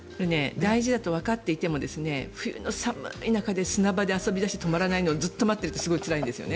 大事だとわかっていても冬の寒い中で砂場で遊び出して止まらないのをずっと待っているってすごいつらいんです。